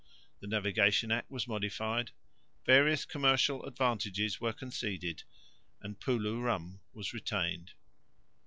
The Navigation Act was modified, various commercial advantages were conceded and Poeloe Rum was retained.